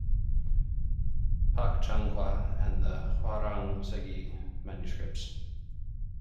"Pak Ch'anghwa and the "Hwarang segi" Manuscripts.